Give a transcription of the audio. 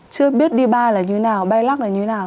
chưa biết đi bar là như nào bay lắc là như nào